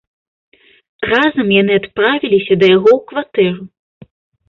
Разам яны адправіліся да яго ў кватэру.